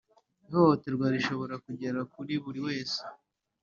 Ihohoterwa rishobora kugera kuri buri wese,